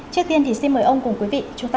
trước tiên thì xin mời ông cùng quý vị chúng ta